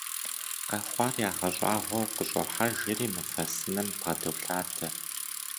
Къэхъуар ягъэщӏагъуэу къыщӏохьэжри мывэ сыным бгъэдолъадэ.